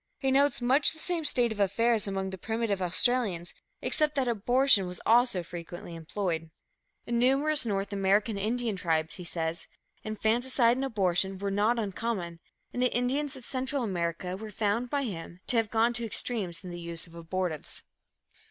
He notes much the same state of affairs among the primitive Australians, except that abortion was also frequently employed. In numerous North American Indian tribes, he says, infanticide and abortion were not uncommon, and the Indians of Central America were found by him "to have gone to extremes in the use of abortives."